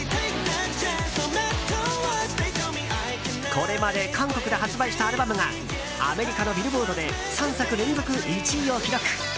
これまで韓国で発売したアルバムがアメリカのビルボードで３作連続１位を記録。